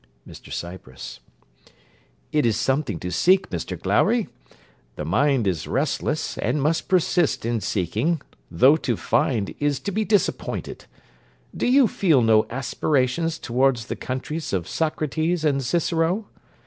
MR CYPRESS It is something to seek, Mr Glowry. The mind is restless, and must persist in seeking, though to find is to be disappointed. Do you feel no aspirations towards the countries of Socrates and Cicero?